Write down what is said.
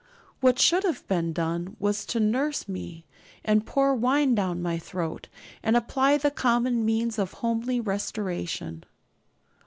What should have been done was to nurse me and pour wine down my throat, and apply the common means of homely restoration.